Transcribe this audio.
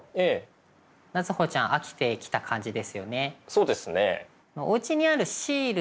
そうですね。